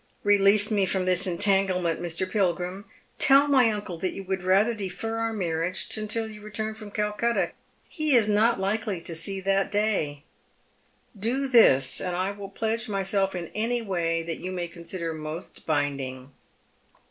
Release me fi'om this entanglement, Mr. Pilgrim. Tell ray uncle that you would rather defer our marriage until you return from Calcutta. He is not likely to see that day. Do this, and I will pledge myself in any way that you may consider most binding.